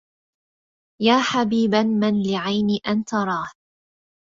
يا حبيبا من لعيني أن تراه